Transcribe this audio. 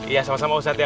iya sama sama ustadz ya